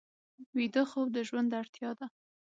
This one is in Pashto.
ویده خوب د ژوند اړتیا ده